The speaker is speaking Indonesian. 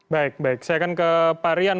baik baik saya akan ke pak rian